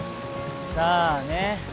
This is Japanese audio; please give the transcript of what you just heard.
さあね。